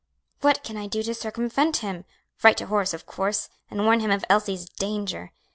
"What can I do to circumvent him? Write to Horace, of course, and warn him of Elsie's danger."